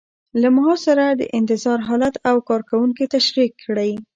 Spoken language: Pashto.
له معاش سره د انتظار حالت او کارکوونکي تشریح کړئ.